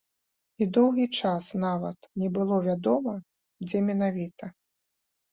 І доўгі час нават не было вядома, дзе менавіта.